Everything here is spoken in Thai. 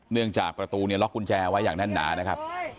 เนื่องจากประตูเนี่ยล็อกกุญแจไว้อย่างแน่นหนานะครับ